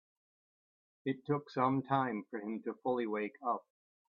It took some time for him to fully wake up.